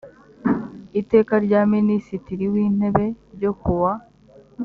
iteka rya ministiri w’ intebe ryo ku wa